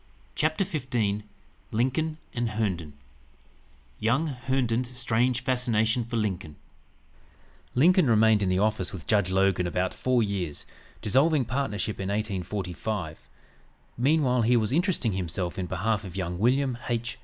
CHAPTER XV LINCOLN & HERNDON YOUNG HERNDON'S STRANGE FASCINATION FOR LINCOLN Lincoln remained in the office with Judge Logan about four years, dissolving partnership in 1845. Meanwhile he was interesting himself in behalf of young William H.